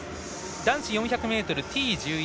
男子４００ｍＴ１１